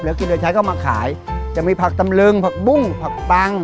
เหลือกินเหลือใช้ก็มาขายจะมีผักตำลึงผักบุ้งผักปัง